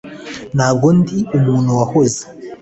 Ntabwo ndi umuntu wahoze